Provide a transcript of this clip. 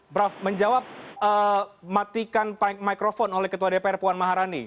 prof menjawab matikan microphone oleh ketua dpr puan maharani